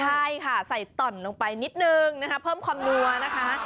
ใช่ค่ะใส่ต่อนลงไปนิดนึงนะคะเพิ่มความนัวนะคะ